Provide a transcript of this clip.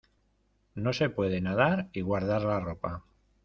No se puede nadar y guardar la ropa.